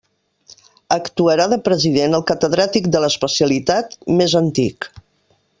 Actuarà de president el catedràtic de l'especialitat més antic.